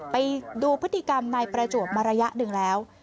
ไปดูพฤติกรรมนายประจวบมาระยะหนึ่งแล้ว